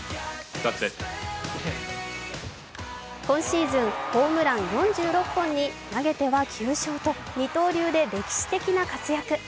今シーズン、ホームラン４６本に、投げては９勝と二刀流で歴史的な活躍。